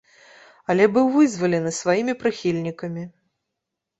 Але быў вызвалены сваімі прыхільнікамі.